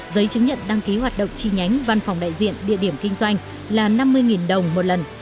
giấy chứng nhận đăng ký hoạt động chi nhánh văn phòng đại diện địa điểm kinh doanh là năm mươi đồng một lần